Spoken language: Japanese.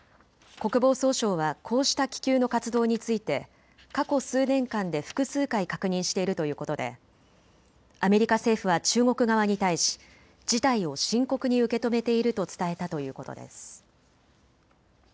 国防総省はこうした気球の活動について過去数年間で複数回確認しているということでアメリカ政府は中国側に対し事態を深刻に受け止めていると伝えたということです。